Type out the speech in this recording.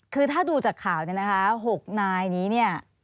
คือถ้าดูจากข่าวเนี่ยนะคะ๖นายนี้เนี่ย